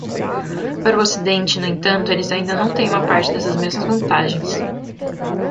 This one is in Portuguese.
Para o Ocidente, no entanto, eles ainda não têm uma parte dessas mesmas vantagens.